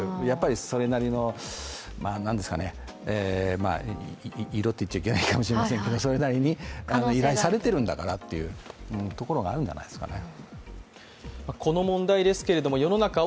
それなりの色と言ってはいけないけれどそれなりに依頼されてるんだからというところがあるんじゃないですかね。